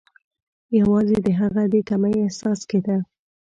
یوازي د هغه د کمۍ احساس کېده.